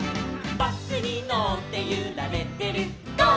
「バスにのってゆられてるゴー！